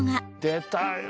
出たよ！